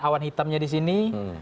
awan hitamnya di sini